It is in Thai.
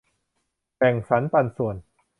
แบ่งสันปันส่วน